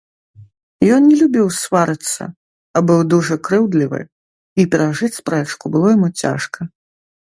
Ён не любіў сварыцца, а быў дужа крыўдлівы, і перажыць спрэчку было яму цяжка.